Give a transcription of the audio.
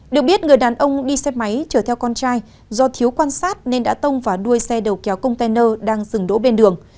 được biết người đàn ông đi xe máy chở theo con trai do thiếu quan sát nên đã tông vào đuôi xe đầu kéo container đang dừng đỗ bên đường